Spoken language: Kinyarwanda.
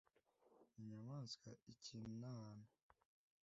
inyamaswa, ikintu na hantu